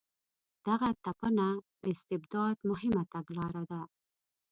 دغه تپنه د استبداد مهمه تګلاره ده.